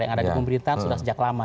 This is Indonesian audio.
yang ada di pemerintahan sudah sejak lama